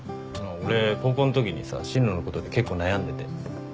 俺高校のときにさ進路のことで結構悩んでて。